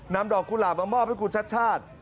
ดอกกุหลาบมามอบให้คุณชัดชาติ